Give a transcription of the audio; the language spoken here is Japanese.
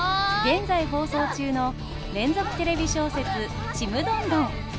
現在放送中の連続テレビ小説「ちむどんどん」。